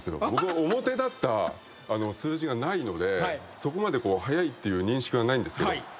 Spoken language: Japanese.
僕は表立った数字がないのでそこまで速いっていう認識はないんですけど。